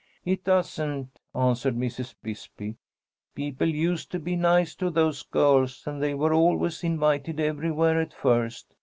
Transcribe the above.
"It doesn't," answered Mrs. Bisbee. "People used to be nice to those girls, and they were always invited everywhere at first.